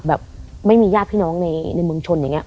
แบบไม่มีญาติพี่น้องในเมืองชนอย่างนี้